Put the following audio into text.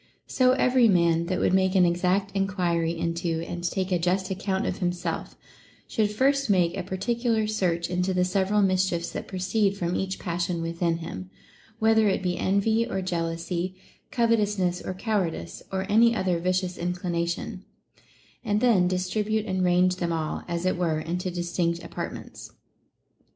So every man that would make an exact enquiry into and take a just account of himself, should first make a particular search into the several mischiefs that proceed from each passion within him, whether it be envy or jealousy, covetousness or cowardice, or any other vicious 426 OF INQUISITIVENESS inclination ; and then distribute and range them all (as it were) into distinct apartments.